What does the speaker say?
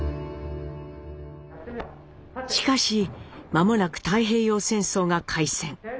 しかし間もなく太平洋戦争が開戦。